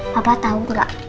papa tau gak